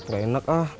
gak enak ah